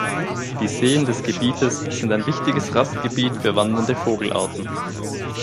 Die Seen des Gebietes sind ein wichtiges Rastgebiet für wandernde Vogelarten.